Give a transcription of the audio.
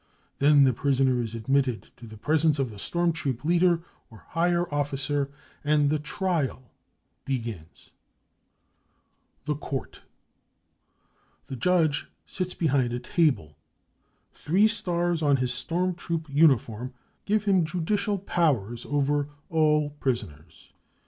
Then the prisoner is admitted to the presence of the storm 1 I troop leader or higher officer, and the " trial " begins. " I The cc Court. 35 The judge sits behind a table ; three stars on his storm troop uniform give him judicial "powers ' over all prisoners.